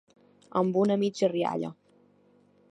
Amb una mitja rialla.